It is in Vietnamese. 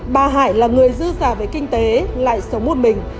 bà hải là người dư giả về kinh tế lại sống một mình